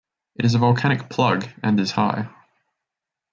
It is a volcanic plug and is high.